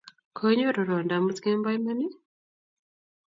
Koinyoru rwondo amut kemboi iman ii?